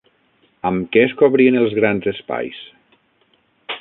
Amb què es cobrien els grans espais?